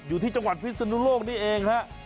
อยู่ที่จังหวัดพิศนุโลกนี่เองฮะ